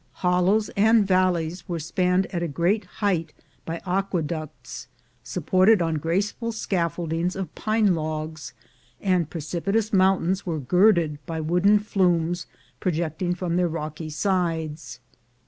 Hollows and valleys were spanned at a great height by aque ducts, supported on graceful scaffoldings of pine logs, and precipitous mountains were girded by wooden flumes projecting from their rocky sides.